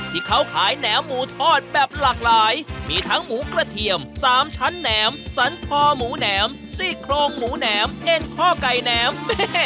ที่เขาขายแหนมหมูทอดแบบหลากหลายมีทั้งหมูกระเทียม๓ชั้นแหนมสันคอหมูแหนมซี่โครงหมูแหนมเอ็นข้อไก่แหนม